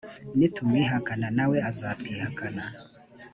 nitumwihakana na we azatwihakana